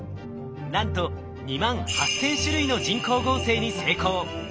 なんと２万８，０００種類の人工合成に成功。